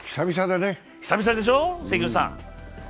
久々でしょう、関口さん。